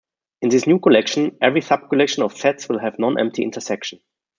In this new collection, every subcollection of sets will have nonempty intersection.